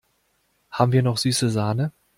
Haben wir noch süße Sahne?